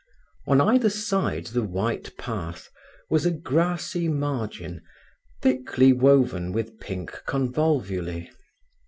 On either side the white path was a grassy margin thickly woven with pink convolvuli.